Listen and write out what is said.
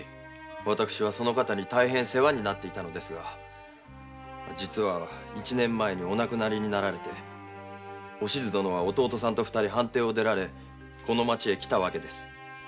私はその方に大変世話になっていたのですが一年前に亡くなられお静殿は弟さんと藩邸を出られこの町へ来たわけです